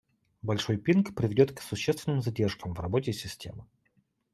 Больший пинг приведет к существенным задержкам в работе системы